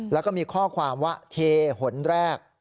แล้วก็มีข้อความว่าเทหนแรก